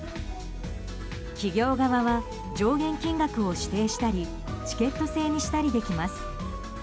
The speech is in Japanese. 企業側は、上限金額を指定したりチケット制にしたりできます。